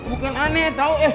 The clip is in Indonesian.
bukan aneh tau eh